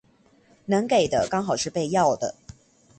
能給的剛好是被要的